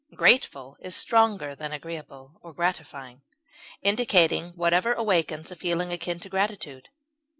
Grateful is stronger than agreeable or gratifying, indicating whatever awakens a feeling akin to gratitude.